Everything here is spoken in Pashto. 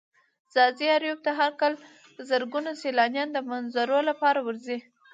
ځاځي اريوب ته هر کال زرگونه سيلانيان د منظرو لپاره ورځي.